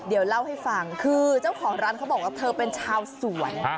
เดี๋ยวเล่าให้ฟังคือเจ้าของร้านเขาบอกว่าเธอเป็นชาวสวน